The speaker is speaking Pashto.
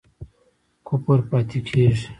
کفر پاتی کیږي؟